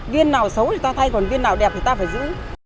viên nào xấu người ta thay còn viên nào đẹp thì ta phải giữ